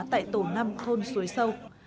tại tổ năm thôn xuối sâu